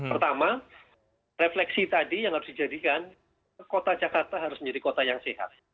pertama refleksi tadi yang harus dijadikan kota jakarta harus menjadi kota yang sehat